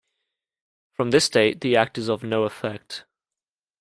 From this date, the Act is of no effect.